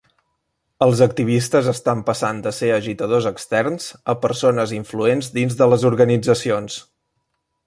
Els activistes estan passant de ser agitadors externs a persones influents dins de les organitzacions.